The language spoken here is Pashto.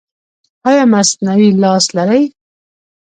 ایا مصنوعي لاس لرئ؟